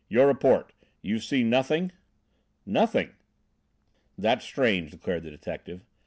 "Your report? You've seen nothing?" "Nothing." "That's strange," declared the detective.